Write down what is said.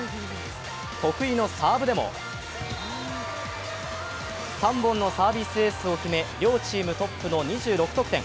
得意のサーブでも３本のサービスエースを決め、両チームトップの２６得点。